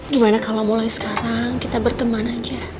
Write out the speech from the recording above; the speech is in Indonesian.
gimana kalau mulai sekarang kita berteman aja